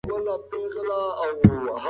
ګټه او مصرف سره جلا کړه.